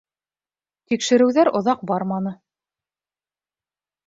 Тикшереүҙәр оҙаҡ барманы.